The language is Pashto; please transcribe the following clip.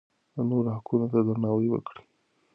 د نورو حقونو ته درناوی وکړئ.